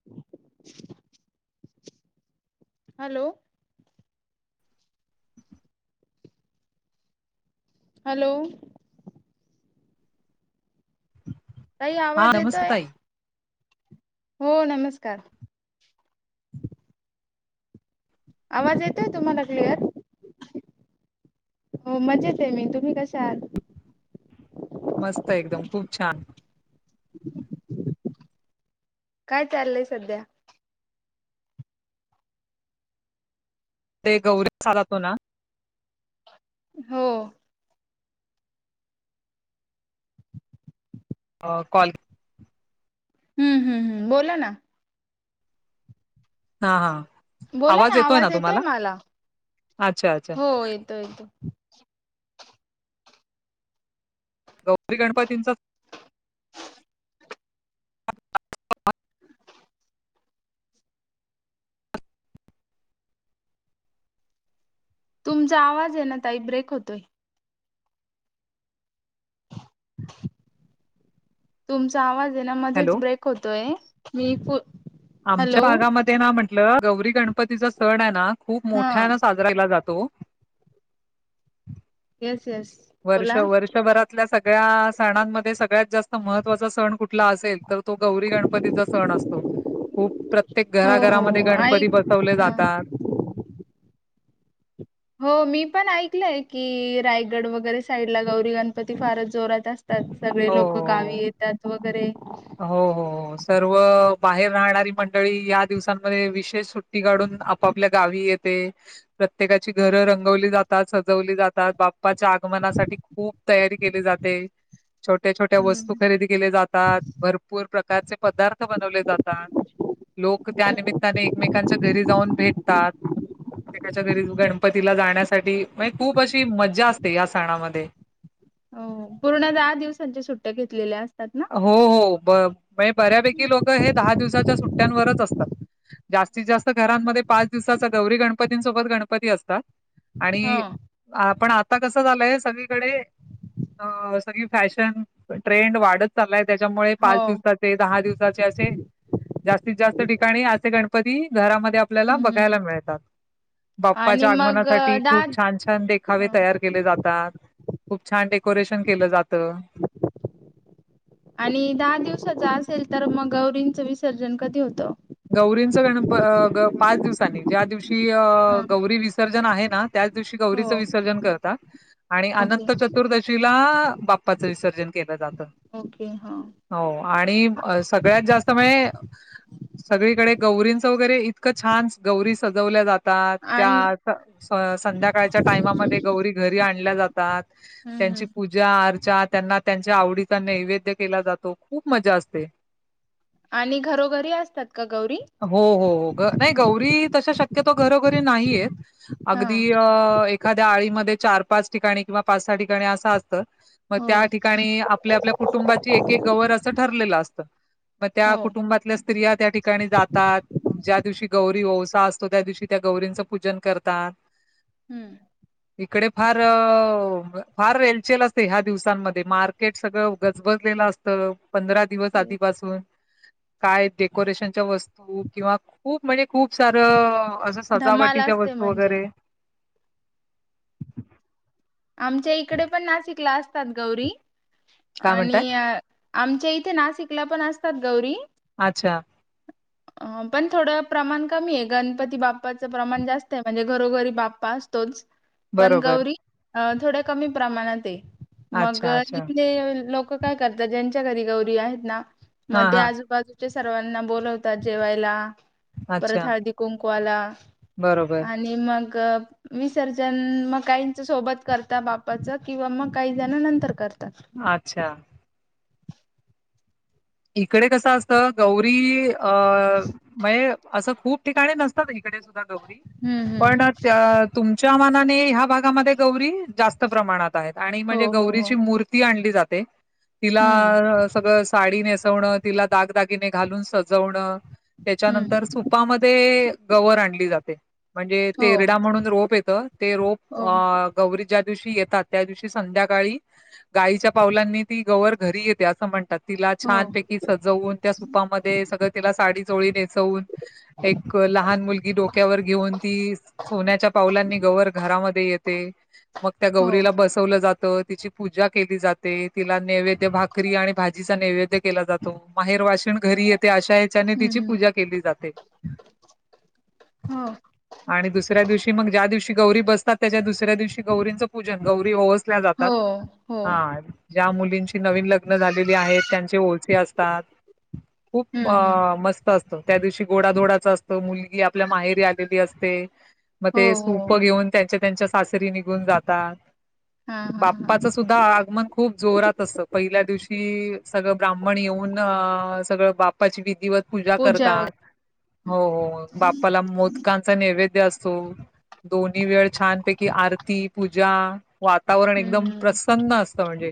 [inaudible] Hello [inaudible] hello ताई हा आवाज नमस्कार येतोय ताई हो नमस्कार आवाज येतोय तुम्हाला क्लिअर? हो मजेत आहे मी तुम्ही कशे आहात? मस्त एकदम खूप छान काय चाललंय सध्या? ते गौरीत चालत हो ना हो अ कॉल हम्म हम्म हम् बोला ना हा हा बोला ना आवाज येतोय मला अच्छा अच्छा हो येतो येतो गौरी गणपतींचा [inaudible] तुमचा आवाज येईना ताई ब्रेक होतोय तुमचा आवाज येइना मध्येच हॅलो ब्रेक होतोय मी हॅलो आमच्या भागामध्ये ना म्हटलं गौरी गणपतीचा सण आहे ना खूप हा मोठ्यान सा साजरा केला जातो येस येस वर्ष बोला वर्षभरातल्या सगळ्या सणांमध्ये सगळ्यात जास्त महत्त्वाचा सण कुठला असेल तर तो गौरी गणपतीचा सण असतो खूप प्रत्येक हो घरा हो घरामध्ये हो गणपती ऐक ब बसवले हा जातात हो मी पण ऐकलंय की रायगड वगैरे साईड ला गौरी गणपती फारच जोरात असतात सगळे लोक हो गावी येतात वगैरे हो हो हो सर्व बाहेर राहणारी मंडळी या दिवसांमध्ये विशेष सुट्टी काढून आपापल्या गावी येत प्रत्येकाची घर रंगवली जातात सजवली जातात बाप्पाच्या आगमनासाठी खूप तयारी केली जाते छोट्या छोट्या वस्तू हम्म. खरेदी केले जातात भरपूर प्रकारचे पदार्थ बनवले जातात लोक त्या निमित्ताने एकमेकांच्या घरी जाऊन भेटतात प्रत्येकाच्या घरी गणपतीला जाण्यासाठी म्हनजे खूप अशी मजा असते या सणामध्ये हो पूर्ण दहा दिवसांच्या सुट्ट्या घेतलेल्या असतात ना? हो हो ब म्हणजे बऱ्यापैकी लोक हे दहा दिवसाच्या सुट्ट्यांवरच असतात जास्तीत जास्त घरांमध्ये पाच दिवसाचा गौरी गणपतींसोबत गणपती असतात हा. आणि आपण आता कसं झालंय सगळीकडे अ सगळी फॅशन ट्रेंड वाढत चाललाय त्याच्यामुळे हो पाच दिवसात ते दहा दिवसाचे असे जास्तीत जास्त ठिकाणी असे गणपती घरामध्ये आपल्याला हम्म हम्म बघायला मिळतात आणि बाप्पाच्या मग अ, आगमनासाठी दहा खूप छान छान छान देखावे ह तयार केले जातात खूप छान डेकोरेशन केलं जातं [unintelligible] आणि दहा दिवसाचा असेल तर मग गौरींचं विसर्जन कधी होतं गौरींचं गणप पाच दिवसांनी ज्या दिवशी हा गौरी विसर्जन आहे ना त्याच दिवशी हो गौरीच विसर्जन करतात आणि ओके अनंत चतुर्दशीला बाप्पाचं विसर्जन केलं जातं ओके हा हो आणि सगळ्यात जास्त म्हणे सगळीकडे गौरींचं वगैरे इतकं छान गौरी सजवल्या जातात आणि त्यात संध्याकाळच्या टायमामध्ये गौरी घरी आणल्या जातात. हम्म त्यांची हम्म पूजा ज्या आरच्या त्यांना त्यांच्या आवडीचा नैवेद्य केला जातो खूप मजा असते. आणि घरोघरी असतात का गौरी? हो हो हो ग नाही गौरी तशा शक्यतो घरोघरी नाही आहेत. हा अगदी अ एक एखाद्या आळीमध्ये चार पाच ठिकाणी किंवा पाच सहा ठिकाणी असा असत मग हो त्या ठिकाणी आप आपल्या कुटुंबाची एक एक गवर अस ठरलेल असत. मग त्या हो कुटुंबात स्त्रिया त्या ठिकाणी जातात. ज्या दिवशी गौरी ओवसा असतो. त्या दिवशी त्या गौरींचं पूजन करतात. हम्म [inaudible] इकडे फार फार रेलचेल असते ह्या दिवसांमध्ये मार्क र्केट सगळं गजबजलेलं असतं पंधरा दिवस आधीपासून काय डेकोरेशनच्या वस्तू किंवा खूप म्हणजे खूप सारं असं धमाल सजावटीच्या असते वस्तू म्हणजे वगैरे. आमच्या इकडे पण नाशिकला असतात गौरी काय म्हणताय? आणि अ आमच्या इथे नाशिकला पण असतात गौरी. अच्छा [inaudible] पण थोडं प्रमाण कमी आहे. गणपती बाप्पाचं प्रमाण जास्त आहे म्हणजे घरोघरी बाप्पा तोच. पण बरोबर. गौरी अ थोड्या कमी प्रमाणात आहे मग अच्छा, अच्छा. इथले लोक काय करतात. ज्यांच्या घरी गौरी आहेत ना हां, मग ते हां. आजूबाजू सर्वांना बोलवतात जेवायला परत अच्छा हळदी कुंकुवाला. बरोबर. मग विसर्जन मग काय सोबत करता बाप्पाचं किंवा मग काही जण नंतर करतात. अच्छा, इकडे कसं असत गौरी अ म्हये असं खूप ठिकाणी असतात. इकडे सुद्धा गौरी हम्म पण हम्म तुमच्या मनाने ह्या भागामध्ये गौरी जास्त प्रमाणात असतात आणि म्हणजे हो हो हो गौरीची मूर्ती आणली जाते. हम्म तिला सगळ साडी नेस वन तिला दागदागिने घालून सजवण त्याच्यानंतर सूप हम्म सुपामध्ये गवर आणली जाते म्हणजे हो तेरडा म्हणून रोप येत ते रोप हो अ गौरी ज्या दिवशी येतात त्या दिवशी संध्याकाळी गायीच्या पावलांनी ती गवर घरी येते असं म्हणतात. तिला हो छान सजवून त्या सुपामध्ये सगळं तिला साडी चोळी नेसवून. एक लहान मुलगी डोक्यावर घेऊन ती सोन्याच्या पावलांनी गवर घरामध्ये येते. मग त्या हो गौरीला बसवलं जातं. तिची पूजा केली जाते तिला नैवेद्य भाक री आणि भाजीचा नैवेद्य केला जातो. माहेरवाशीण घरी येते अशा एक ह्याच्यान हम्म तिची हम्म पूजा केली जाते. हो आणि दुसऱ्या दिवशी मग ज्या दिवशी गौरी बसतात. त्याच्या दुसऱ्या दिवशी गौरींचं पूजन गौरी ओवस ओवसल्या जातात हो हो हा. ज्या मुलींची नवीन लग्न झालेली आहेत त्यांचे ओवसे असतात. खूप हम्म हम्म अ.. मस्त असत- त्या दिवशी गोडाधोडाच असत, मुलगी आपल्या माहेरी आलेली असते- मग हो ते सूप हो घेऊन त्यांच्या त्यांच्या सासरी निघून जातात, हा हा हा बाप्पाच सु- द्धा आगमन खूप जोरात असत, पहिल्या दिवशी सगळं- ब्राह्मण येऊन अ.. सगळं बाप- प्पाची विधिवत पूजा करतात, वगैरे हो बाप्पाला मोदकां- कांचा नैवेद्य असतो, दोन्ही वेळ छानपैकी आरती, पूजा- वातावरण एकदम हम्म हम्म प्रसन्न असतं म्हणजे.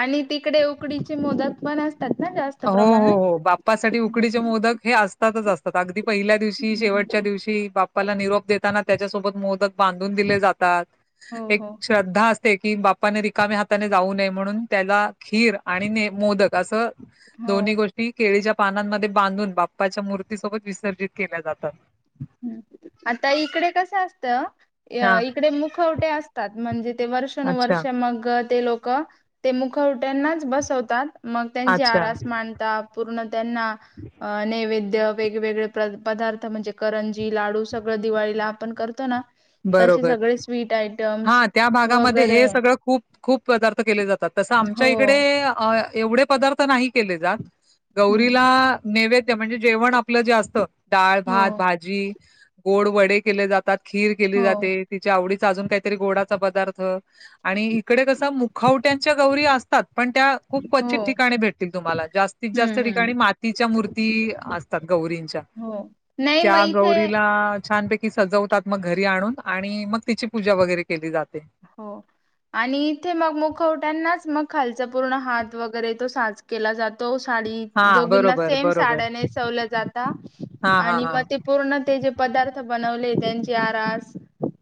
आणि तिकडे उकडीचे मोदक पण असत- सतात ना जास्त. हो, हो, प्रमाणात? हो, बाप्पासाठी उकडीचे हम्म मोदक हे असता- असतातच असतात, अगदी पहिल्या दिवशी, शेवटच्या हम्म दिवशी बाप्पा- बाप्पाला निरोप देताना त्याच्यासोबत मोदक बांधून दिले जातात, हो एक हो श्र- ध्दा असते की, बाप्पाने रिकाम्या हाताने जाऊ नये म्हणून, त्याला खीर आणि मोदक असं- हो दोन्ही गोष्टी केळीच्या पानांमध्ये बांधून बाप्पाच्या मूर्तीसोबत विसर्जित केल्या जातात. आता इकडे कसं असत- हा अ इकडे मुखवटे असतात, म्हणजे ते अच्छा वर्षानुवर्ष मग ते लोक- ते मुखवट्यांनाच बसवतात, मग त्यांची अच्छा आरास मांड- तात, पूर्ण त्यांना नैवेद्य वेगवेगळे पदार्थ म्हणजे- करंजी, लाडू सगळ दिवाळीला आपण करतो ना, तसे सगळे स्वीट- आयटम्स हा, त्या भागामध्ये वगैरे हे सगळं खूप- खूप पदार्थ केले जातात, तसं आमच्या हो इकडे अ- एवढे पदार्थ नाही केले जात, हम्म गौरीला नैवेद्य म्हणजे जेवण आपलं जे असतं- डाळ, हो भात, भाजी, गोड वडे केले जातात, खीर केली हो जाते- तिच्या आवडीचा अजून काहीतरी गोडाचा पदार्थ- आणि इकडे कस मुखवट्यांच्या गौरी असतात, पण त्या खूप हो क्वचित ठिकाणी भेटतील तुम्हाला जास्त- त जास्त हम्म ठिकाणी हम्म मात- तिच्या मूर्ती असतात गौरींच्या, हो नाही मग त्या इथे गौरीला छानपैकी- सजवतात मग घरी आणून आणि मग तिची पूजा वगैरे केली जाते. हो आणि इथे मग मुखवट्यांनाच मग खालचा पूर्ण हात वगैरे तो साच- केला जातो, साडी हां दोघींना बरोबर, सेम बरोबर. साड्या नेसवल्या जाता हां, हां, आणि मग हां. ते- पूर्ण ते जे पदार्थ बनवले त्यांची आरास-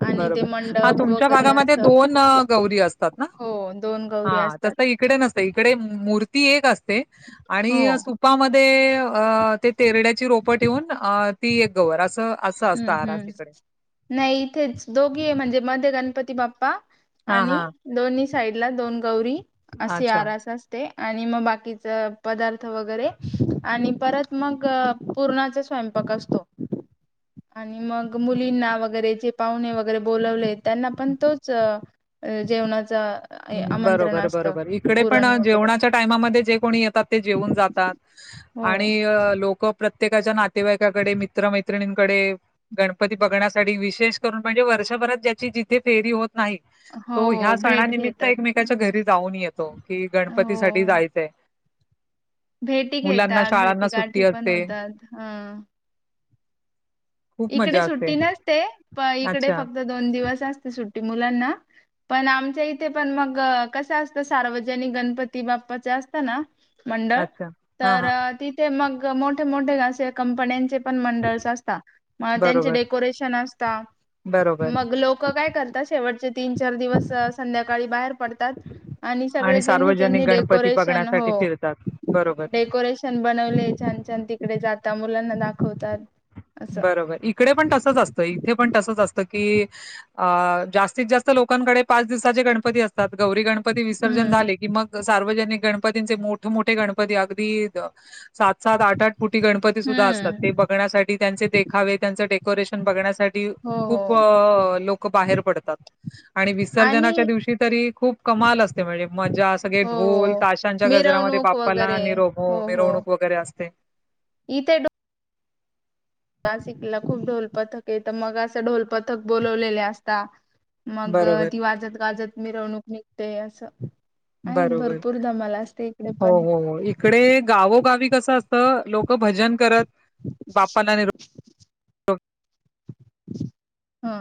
आणि ते बरोबर, हा मंडप तुमच्या वगैरे भागामध्ये असं दोन गौरी असतात ना, हो दोन गौरी हा असतात तस- इकडे नसते, इकडे मूर्ती एक असते हो आणि सुपामध्ये अ- ते तेरड्याची रोपं ठेवून ती एक गवर असं- असं असतं हम्म, आरास इकडे. हम्म, नाही, इथेच दोघी हे म्हणजे मध्ये गणपती बाप्पा- हां, आणि हां. दोन्ही साईडला दोन गौरी असे अच्छा. आरा अस- ते आणि मग बाकीच पदार्थ वगैरे आणि परत मग पूर्णाच स्वयं- पाक असतो. आणि मग मुलींना वगैरे जे पाहुणे वगैरे बोलवले, त्यांना पण तोच- अ जेवणाचा- बरोबर, बरोबर, इकडे पण वगैरे जेवणाच्या- टाइमामधे जे कोणी येतात ते जेऊन जातात हो आणि लोक- प्रत्येकाच्या नातेवाईकाकडे मित्र-मैत्रिणींकडे- गणपती बघण्यासाठी विशेष करून म्हणजे वर्षभरात ज्याची जिथे फेरी होत नाही- हो तो हो ह्या भेट सणानिमित्त घेतात एकमेकाच्या घरी जाऊन येतो कि, गणपती हो साठी जायचंय. भेटी मुलांना घेतात भेटी शाळांना गाठी सुट्टी पण असते होतात ह.. खूप इकडे मजा असते सुट्टी नसते प इकडे अच्छा फक्त दोन दिवस असते सुट्टी मुलांना. पण आमच्या इथे पण मग कस असत सार्वजनिक गणपती बाप्पाच असत ना, मंडळ अच्छा हा तर हा तिथे मग मोठे मोठे असे कंपन्यांचे पण मंडळस असतात. मग त्यांचे बरोबर डेकोरेशन असत बरोबर मग लोक काय करतात शेवट तीन चार दिवस संध्याकाळी बाहेर पडतात आणि सगळे ज्यांनी सार्वजनिक ज्यांनी गणपती डेकोरेशन बघण्यासाठी हो फिरतात बरोबर डेकोरेशन. छान बनवले छान छान तिकडे जातात मुलांना दाखवतात. असं बरोबर इकडे पण तसच असतं इथे पण तसच असतं की जास्तीत जास्त लोकांकडे पाच दिवसाचे गणपती असतात गौरी गणपती विसर्जन हम्म झाले की मग सार्वजनिक गणपतींचे मोठ मोठे गणपती अगदी सात सात आठ आठ फुटी गणपती सुद्धा असतात हम्म. ते बघण्यासाठी त्यांचे देखावे त्यांच डेकोरेशन बघण्यासाठी हो हो खूप लोक बाहेर पडतात आणि आणि विसर्जनाच्या दिवशी तरी खूप कमाल असते म्हणजे मजा असते. सगळे हो ढोल हो ताशांच्या गजरामध्ये मिरवणूक बाप्पाला वगैरे निरव हो हो मिरवणूक वगैरे असते. इथे ढो नासिकला खूप ढोल पथक ये त मग असं ढोल पथक बोलवलेले असता.. मग बरोबर, ती वाजत गाजत मिरवणूक निघते अस. आहेत बरोबर. भरपूर धमाला असते इकडे हो, पण. हो. हो. इकडे गावोगावी कसं असतं लोकं भजन करत बाप्पाला निरोप हा.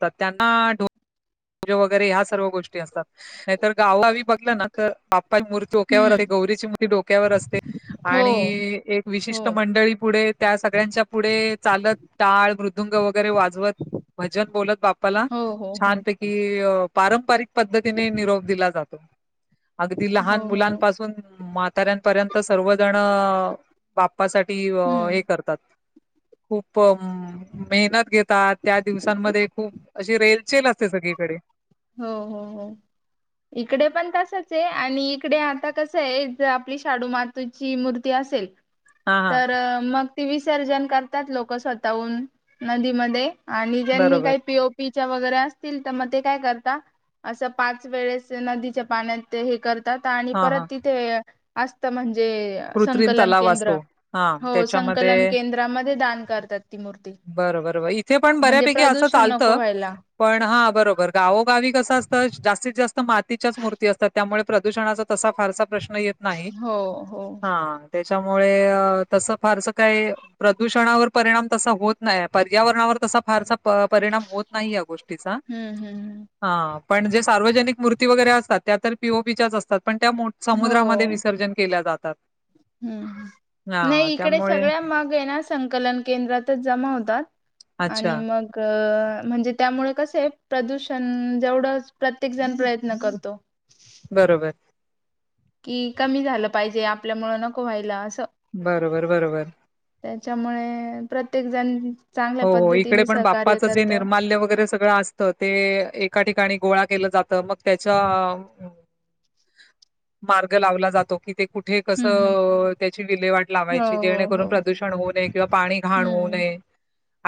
त त्यांना, वगैरे ह्या सर्व गोष्टी असतात नाहीतर गावगावी बघल ना तर बाप्पा मूर्ती- डोक्यावर अस हम्म गौरीची मूर्ती डोक्यावर असते हो आणि एक हो विशिष्ट मंडळी पुढे त्या सगळ्यांच्या पुढे चालत टाळ मृदुंग वगैरे वाजवत. भजन बोलत बाप्पाला हो हो हो छानपैकी. ही पारंपरिक पद्धतीने निरोप दिला जातो. अगदी हो लहान हो मुलांपासून म्हाताऱ्यांपर्यंत सर्वजण बाप्पासाठी हे हम्म करतात खूप मेहनत घेत ता त्या दिवसांमध्ये खूप अशी रेलचेल असते सगळीकडे. हो हो हो. इकडे पण तसच आहे आणि इकडे आता कस य आहे ज आपली शाडू माती तुझी मूर्ती असेल. हा हा तर मग ते विसर्जन करतात लोक स्वतःहून नदीमध्ये. आणि ज्यांनी बरोबर काही पीओपी च्या वगैरे असतील तर मग ते काय कर अस पाच वेळेस नदीच्या पाण्यात हे करतात आणि हा परत हा ती ते असत म्हणजे, कृत्रिम संकलन तलाव केंद्र असतो हा हो संकलन त्याच्यामध्ये केंद्रामध्ये दान करतात ती मूर्ती. बरं बरोबर इथे पण म्हणजे बऱ्यापैकी असं प्रदूषण नको चालतं व्हायला. पण हा बरोबर गावोगावी कसं असतं जास्तीत जास्त मातीच्याच मूर्ती असतात त्यामुळे प्रदूषणाचा तसा फारसा प्रश्न येत हो हो. हा त्याच्यामुळे तस फारस काय प्रदूषणावर परिणाम तसा होत नाही पर्यावरणावर तसा फारसा परिणाम होत नाही या गोष्टीचा हम्म हम्म हम् हा पण जे सार्वजनिक मूर्ती वगैरे असतात त्या तर पीओपीच्याच असतात पण त्या मो हो समुद्रामध्ये विसर्जन केल्या जातात. हम्म हां, नाही इकडे त्यामुळे सगळ्या मग येण्या संकलन केंद्रातच जमा होतात आणि अच्छा. मग अ म्हणजे त्यामुळे कस हे प्रदूषण जेवढं प्रत्येक जण प्रयत्न करतो. बरोबर कि कमी झालं पाहिजे आपल्यामुळ नको व्हायला असं बरोबर बरोबर त्याच्यामुळे प्रत्येक जण चांगल्या हो हो इकडे पद्धतीने पण सहकार्य बापाचं च जे करत निर्माल्य वगैरे सग ग असत ते एका ठिकाणी गोळा केलं जात मग त्याच्या मार्ग लावला जातो कि ते कुठे हम्म हम्म कसं त्याची विल्वाट हो लावायची हो जेणेकरून हो प्रदूषण होऊ नये किंवा पाणी घाण होऊ हम्म नये.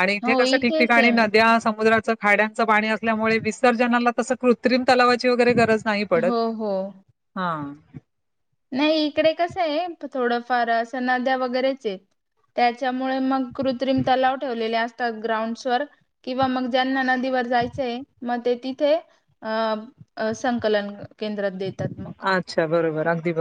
आणि इथे हो कसं ठिकठिकाणी सेम नद्या समुद्रा खाड्यांच पाणी असल्यामुळे विसर्जनाला तस कृत्रिम तलावाची वगरे गरज नाही पडत हो हो हा नाही इकडे कसं आहे थोडंफार असं नद्या वगैरेच त्याच्यामुळे मग कृत्रिम तलाव ठेवलेले अस ग्राउंडस वर किंवा मग ज्यांना नदीवर जायचंय मग ते तिथे अ संकलन केंद्रात देत अच्छा बरोबर अगदी